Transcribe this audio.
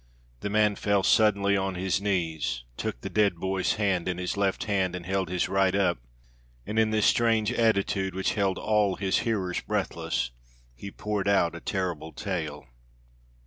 The man fell suddenly on his knees, took the dead boy's hand in his left hand and held his right up, and in this strange attitude, which held all his hearers breathless, he poured out a terrible tale.